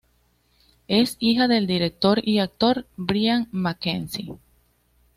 Es hija del director y actor Brian McKenzie.